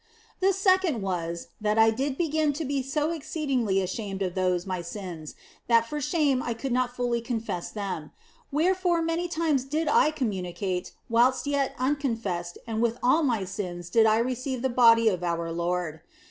The second was, that I did begin to be so exceeding ashamed of those my sins that for shame I could not fully confess them ; wherefore many times did I communicate whilst yet unconfessed and with all my sins did I receive the Body of our Lord.